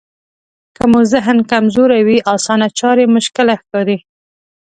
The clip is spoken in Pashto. که مو ذهن کمزوری وي اسانه چارې مشکله ښکاري.